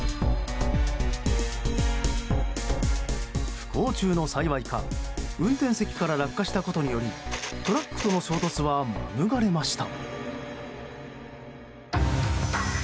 不幸中の幸いか運転席から落下したことによりトラックとの衝突は免れました。